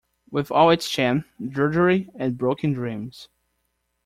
With all its sham, drudgery and broken dreams